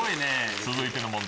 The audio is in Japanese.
続いての問題